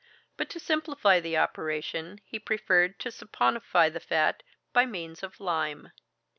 But to simplify the operation, he preferred to saponify the fat by means of lime.